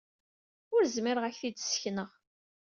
Ur zmireɣ ad k-t-id-ssekneɣ.